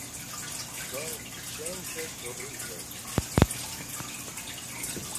Don Viciente sorrise.